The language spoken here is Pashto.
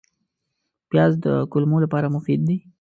پیاز د کولمو لپاره مفید دی